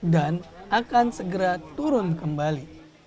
dan akan segera turun kembali